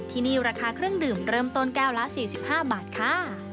ที่นี่ราคาเครื่องดื่มเริ่มต้นแก้วละ๔๕บาทค่ะ